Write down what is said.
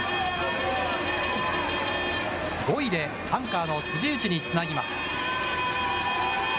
５位でアンカーの辻内につなぎます。